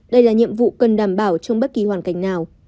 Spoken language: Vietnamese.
đây là nhiệm vụ cần đảm bảo trong bất kỳ hoàn cảnh nào